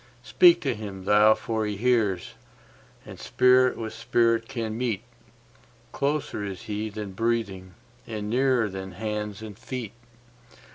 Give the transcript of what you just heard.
Speak to Him thou for He hears, and Spirit with Spirit can meet—Closer is He than breathing, and nearer than hands and feet.